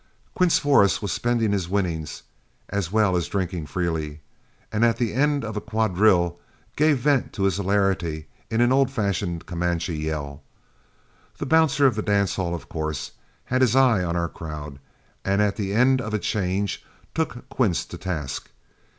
Quince Forrest was spending his winnings as well as drinking freely, and at the end of a quadrille gave vent to his hilarity in an old fashioned Comanche yell. The bouncer of the dance hall of course had his eye on our crowd, and at the end of a change, took Quince to task.